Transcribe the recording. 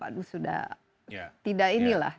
aduh sudah tidak ini lah